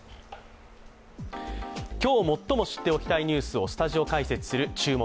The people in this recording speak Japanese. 今日最も知っておきたいニュースをスタジオ解説する「注目！